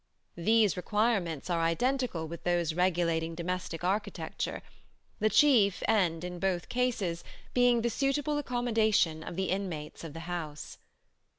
These requirements are identical with those regulating domestic architecture, the chief end in both cases being the suitable accommodation of the inmates of the house.